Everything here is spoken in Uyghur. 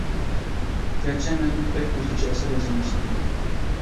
گەرچە مەن بەك ئۆزگىچە ئەسەر يازالمىساممۇ.